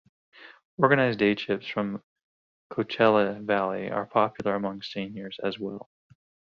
Organized day trips from the Coachella Valley are popular among seniors as well.